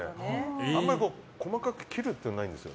あんまり細かく切るっていうことがないんです。